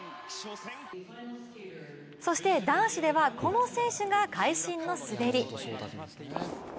そして男子では、この選手が会心の滑り。